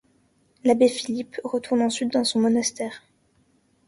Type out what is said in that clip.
L'abbé Philippe retourne ensuite dans son monastère.